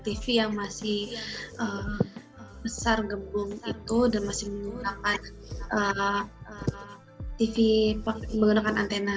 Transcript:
tv yang masih besar gebung itu dan masih menggunakan tv menggunakan antena